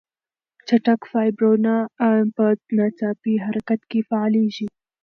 چټک فایبرونه په ناڅاپي حرکت کې فعالېږي.